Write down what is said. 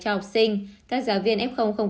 cho học sinh các giáo viên f không